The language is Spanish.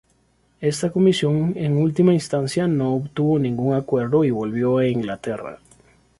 Esta comisión, en última instancia, no obtuvo ningún acuerdo y volvió a Inglaterra.